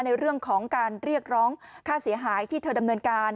ในเรื่องของการเรียกร้องค่าเสียหายที่เธอดำเนินการ